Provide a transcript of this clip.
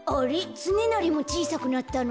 つねなりもちいさくなったの？